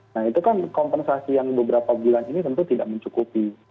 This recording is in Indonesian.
nah itu kan kompensasi yang beberapa bulan ini tentu tidak mencukupi